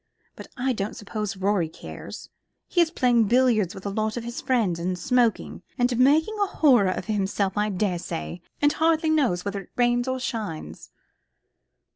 But I don't suppose Rorie cares. He is playing billiards with a lot of his friends, and smoking, and making a horror of himself, I daresay, and hardly knows whether it rains or shines."